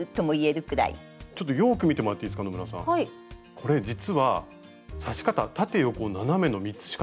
これ実は刺し方縦横斜めの３つしかない。